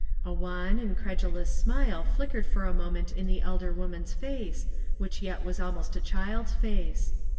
A wan, incredulous smile flickered for a moment in fche elder woman's face, which yet was almost a child's face.